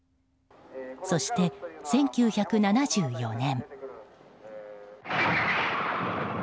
そして、１９７４年。